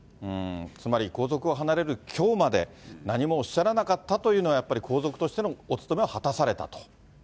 つまり皇族を離れるきょうまで、何もおっしゃらなかったというのは、やっぱり皇族としてのお務めを果たされたと。